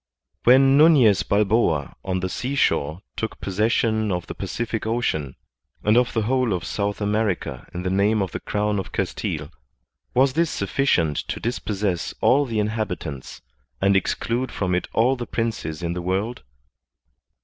When Nufiez Balboa on the seashore took possession of the Pacific Ocean and of the whole of South America in the name of the crown of Castile, was this sufficient to dispossess all the inhabitants, and exclude from it all the princes in the world